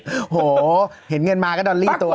โอ้โหเห็นเงินมาก็ดอลลี่ตัว